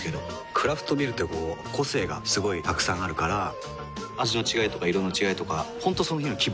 クラフトビールってこう個性がすごいたくさんあるから味の違いとか色の違いとか本当その日の気分。